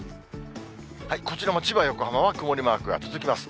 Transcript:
こちらも千葉、横浜は曇りマークが続きます。